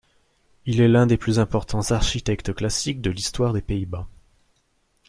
Il est l'un des plus importants architectes classiques de l'Histoire des Pays-Bas.